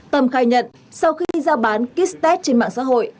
tâm khai nhận sau khi ra bán kích test trên mạng xã hội